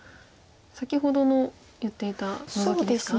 先ほどの言っていたノゾキですか。